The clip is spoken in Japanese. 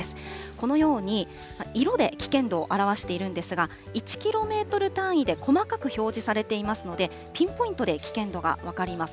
このように、色で危険度を表しているんですが、１キロメートル単位で細かく表示されていますので、ピンポイントで危険度が分かります。